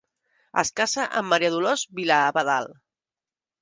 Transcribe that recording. Es casa amb Maria Dolors Vila-Abadal.